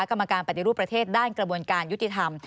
กรรมการปฏิรูปประเทศด้านกระบวนการยุติธรรม